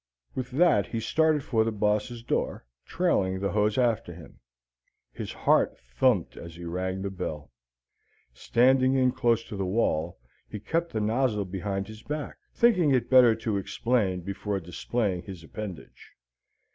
With that he started for the boss's door, trailing the hose after him. His heart thumped as he rang the bell. Standing in close to the wall, he kept the nozzle behind his back, thinking it better to explain before displaying his appendage.